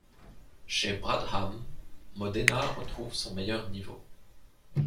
Chez Brabham, Modena retrouve son meilleur niveau.